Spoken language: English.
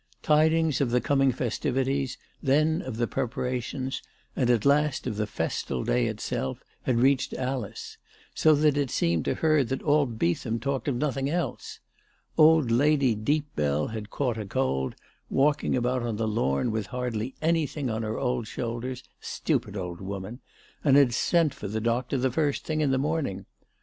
Tidings of the coming festivities, then of the preparations, and at last of the festal day itself, had reached Alice, so that it seemed to her that all Beethani talked of nothing else. Old Lady Deepbell had caught a cold, walking about on the lawn with hardly anything on her old shoulders, stupid old woman, and had sent for the doctor the first thing in the morning.